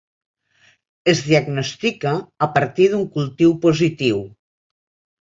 Es diagnostica a partir d'un cultiu positiu.